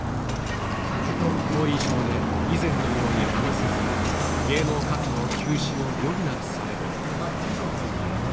後遺症で、以前のように話せず、芸能活動休止を余儀なくされた。